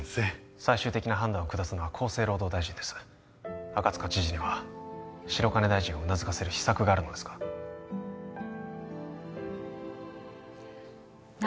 最終的な判断を下すのは厚生労働大臣です赤塚知事には白金大臣をうなずかせる秘策があるのですかな